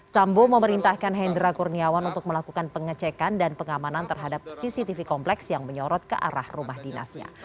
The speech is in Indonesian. sambo memerintahkan hendra kurniawan untuk melakukan pengecekan dan pengamanan terhadap cctv kompleks yang menyorot ke arah rumah dinasnya